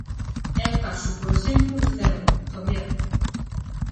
É o caso, por exemplo, de Cervo, Javier.